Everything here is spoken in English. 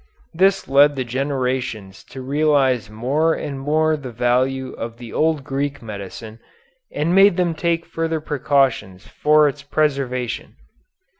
This led the generations to realize more and more the value of the old Greek medicine and made them take further precautions for its preservation.